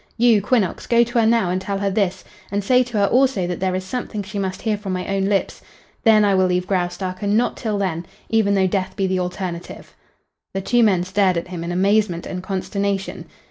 You, Quinnox, go to her now and tell her this, and say to her also that there is something she must hear from my own lips. Then I will leave Graustark and not till then, even though death be the alternative." The two men stared at him in amazement and consternation.